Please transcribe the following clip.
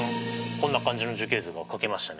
こんな感じの樹形図が書けましたね。